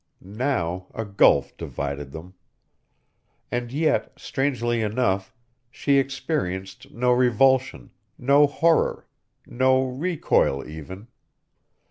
Now a gulf divided them. And yet, strangely enough, she experienced no revulsion, no horror, no recoil even.